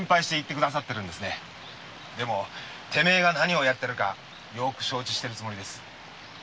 でもてめえが何をやっているかはよく承知しているつもりです。